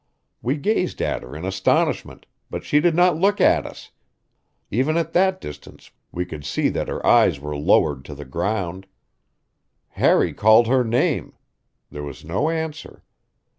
We gazed at her in astonishment, but she did not look at us; even at that distance we could see that her eyes were lowered to the ground. Harry called her name there was no answer.